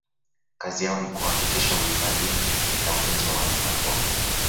kazi yao ni kuhakikisha uhifadhi na ulinzi wa wanyamapori